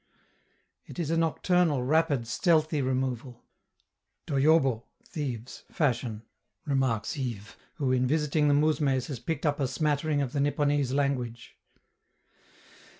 It is a nocturnal, rapid, stealthy removal "doyobo (thieves) fashion," remarks Yves, who in visiting the mousmes has picked up a smattering of the Nipponese language.